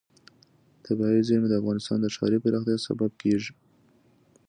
طبیعي زیرمې د افغانستان د ښاري پراختیا سبب کېږي.